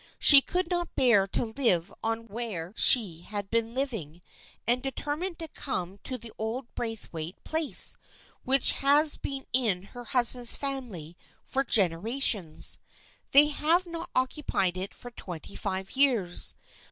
She could not bear to live on where she had been liv ing, and determined to come to the old Braithwaite place, which has been in her husband's family for generations. They have not occupied it for twenty five years.